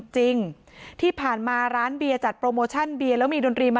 จนใดเจ้าของร้านเบียร์ยิงใส่หลายนัดเลยค่ะ